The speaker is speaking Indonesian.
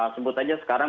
sebut aja sekarang